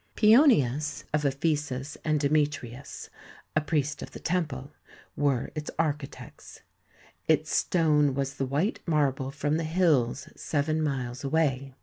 Pasonius of Ephesus and Demetrius, a priest of the temple, were its architects. Its stone was the white marble from the hills seven miles away.